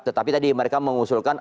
tetapi tadi mereka mengusulkan